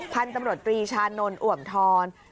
พันธุ์ตำรวจ๓ชานนลอ่วมทร